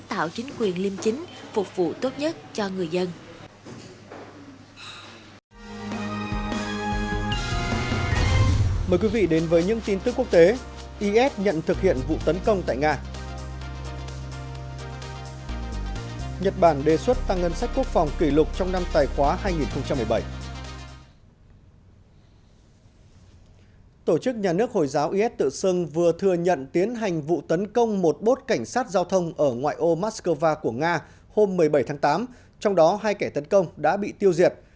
tổ chức nhà nước hồi giáo is tự sưng vừa thừa nhận tiến hành vụ tấn công một bốt cảnh sát giao thông ở ngoại ô moscow của nga hôm một mươi bảy tháng tám trong đó hai kẻ tấn công đã bị tiêu diệt